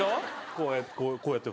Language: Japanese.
こうやってこうやって。